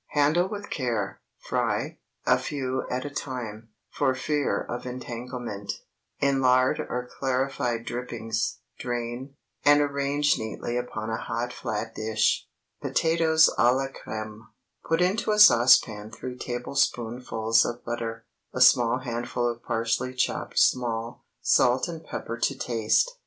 Handle with care, fry—a few at a time, for fear of entanglement—in lard or clarified drippings, drain, and arrange neatly upon a hot flat dish. POTATOES À LA CRÈME. ✠ Put into a saucepan three tablespoonfuls of butter, a small handful of parsley chopped small, salt and pepper to taste.